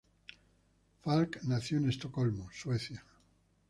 Falk nació en Estocolmo, Suecia.